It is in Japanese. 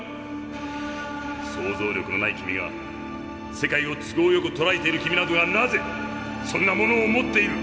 想像力のない君が世界を都合よくとらえている君などがなぜそんな物を持っている！